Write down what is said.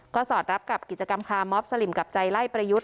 ก็สอดรับกับกิจกรรมคาร์มอบสลิมกับใจไล่ประยุทธ์